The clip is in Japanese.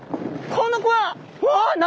この子何？